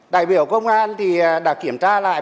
đại biểu công an thì đã kiểm tra lại